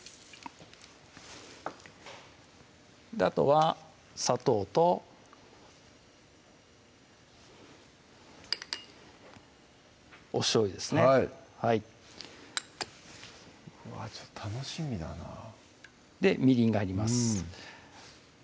あとは砂糖とおしょうゆですねはい楽しみだなみりんが入ります